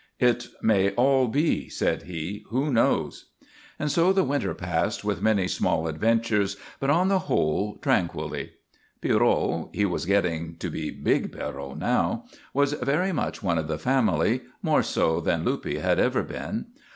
"It may all be," said he. "Who knows?" And so the winter passed with many small adventures, but on the whole tranquilly. Pierrot he was getting to be big Pierrot now was very much one of the family, more so than Luppe had ever been.